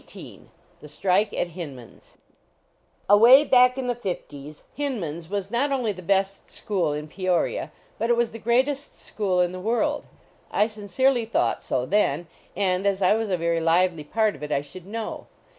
255 THE STRIKE AT HINMAN S XIX | WAY back in the fifties, " Hin man s" was not only the best school in Peoria, but it was the greatest school in the world. I sincerely thought so then, and as I was a very lively part of it, I should know.